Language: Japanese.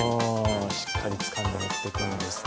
しっかりつかんで持って行くんですって。